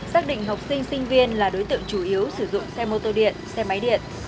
xác định học sinh sinh viên là đối tượng chủ yếu sử dụng xe mô tô điện xe máy điện